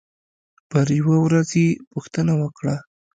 يره يوه ورځ يې پوښتنه وکړه.